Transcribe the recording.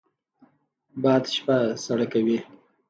باد شپه سړه کوي